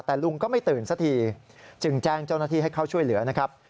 แต่ลุงก็ไม่ตื่นสักทีจึงแจ้งเจ้าหน้าที่ให้เข้าช่วยเหลือนะครับ